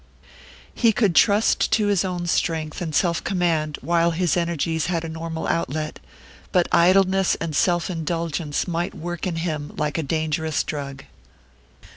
He could trust to his own strength and self command while his energies had a normal outlet; but idleness and self indulgence might work in him like a dangerous drug.